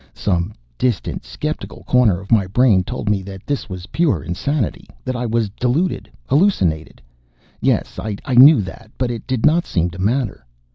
Some distant, skeptical corner of my brain told me that this was pure insanity, that I was deluded, hallucinated. Yes, I knew that. But it did not seem to matter.